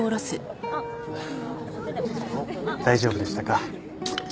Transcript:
大丈夫でしたか？